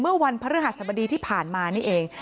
เมื่อวันพระฤหัสบดีที่ผ่านมานี่เอง